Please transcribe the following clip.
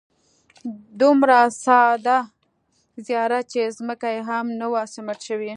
دومره ساده زیارت چې ځمکه یې هم نه وه سیمټ شوې.